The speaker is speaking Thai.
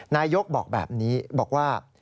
นายยกบอกแบบนี้บอกว่า